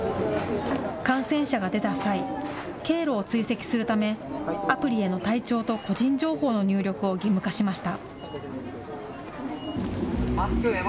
感染者が出た際、経路を追跡するため、アプリへの体調と個人情報の入力を義務化しました。